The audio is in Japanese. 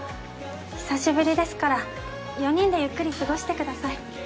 久しぶりですから４人でゆっくり過ごしてください。